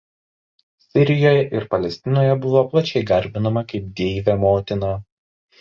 Sirijoje ir Palestinoje buvo plačiai garbinama kaip Deivė Motina.